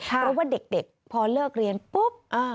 เพราะว่าเด็กพอเลิกเรียนปุ๊บ